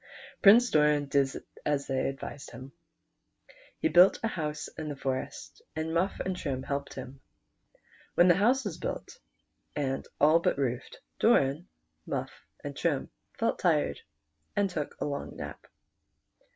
Prince Doran did as they advised him. He built a house in the forest, and Muff and Trim helped him. When the house was built, and all but roofed, Doian, Muff, and Trim felt tired, and took a long nap.